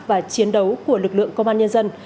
và chiến đấu của lực lượng công an nhân dân